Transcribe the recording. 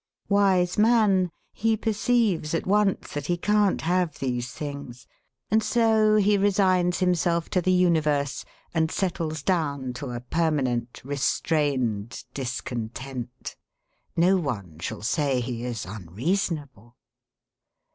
Wise man, he perceives at once that he can't have these things. And so he resigns himself to the universe, and settles down to a permanent, restrained discontent. No one shall say he is unreasonable.